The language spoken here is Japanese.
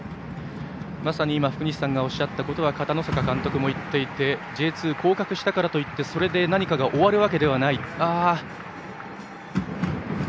まさに今、福西さんがおっしゃったことは片野坂監督も言っていてＪ２降格したからといってそれで何かが終わるわけではないと。